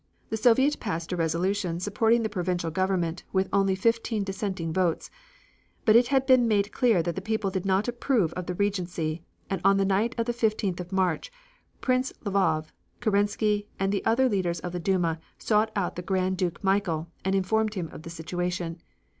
The Soviet passed a resolution supporting the provisional government with only fifteen dissenting votes. But it had been made clear that the people did not approve of the regency, and on the night of the 15th of March, Prince Lvov, Kerensky and other leaders of the Duma sought out the Grand Duke Michael and informed him of the situation.